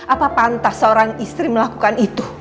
apa pantas seorang istri melakukan itu